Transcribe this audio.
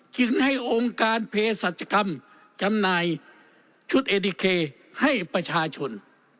จึงให้องค์การเพศสัจกรรมจำหน่ายชุดเอดิเคให้ประชาชน